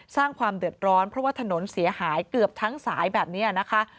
สร้างความเดือดร้อนเพราะว่าถนนเสียหายเกือบทั้งสายแบบนี้นะคะ